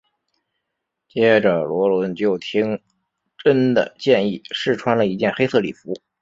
接着萝伦就听珍的建议试穿了一件黑色礼服。